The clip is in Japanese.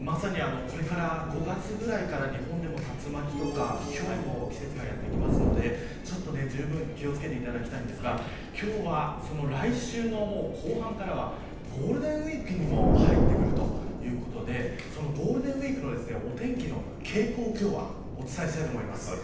まさに、これから５月ぐらいから日本でも竜巻都がとかひょうの季節がやってくるのでじゅうぶん気を付けていただきたいんですが今日は、来週の後半からはゴールデンウイークにも入ってくるということでそのゴールデンウイークのお天気の傾向を今日はお伝えしたいと思います。